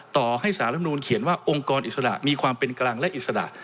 ต่อให้สารรับนูลเขียนว่าองค์กรอิสระมีความเป็นกลางและอิสระ